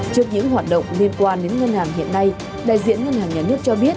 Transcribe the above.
trước những hoạt động liên quan đến ngân hàng hiện nay đại diện ngân hàng nhà nước cho biết